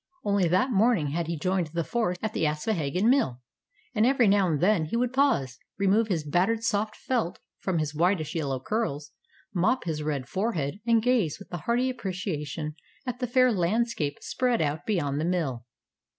Only that morning had he joined the force at the Aspohegan Mill; and every now and then he would pause, remove his battered soft felt from his whitish yellow curls, mop his red forehead, and gaze with a hearty appreciation at the fair landscape spread out beyond the mill.